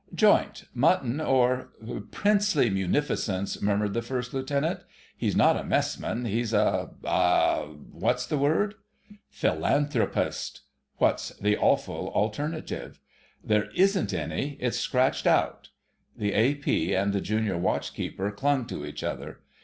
"Joint; mutton or——" "Princely munificence," murmured the First Lieutenant. "He's not a messman: he's a—a—what's the word?" "Philanthropist. What's the awful alternative?" "There isn't any; it's scratched out." The A.P. and the Junior Watch keeper clung to each other.